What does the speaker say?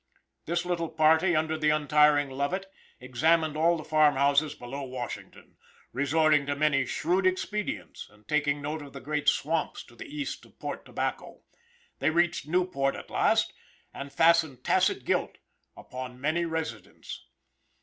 This little party, under the untiring Lovett, examined all the farm houses below Washington resorting to many shrewd expedients, and taking note of the great swamps to the east of Port Tobacco; they reached Newport at last and fastened tacit guilt upon many residents.